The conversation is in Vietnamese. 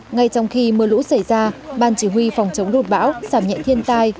ngay trong khi mưa lũ xảy ra ban chỉ huy phòng chống rụt bão sảm nhẹ thiên tai